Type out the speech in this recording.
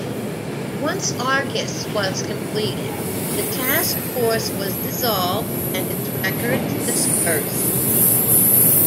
Once "Argus" was completed, the task force was dissolved, and its records dispersed.